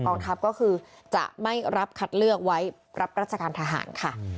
ทัพก็คือจะไม่รับคัดเลือกไว้รับราชการทหารค่ะ